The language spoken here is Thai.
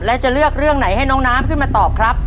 แล้วจะเลือกเรื่องไหนให้น้องน้ำขึ้นมาตอบครับ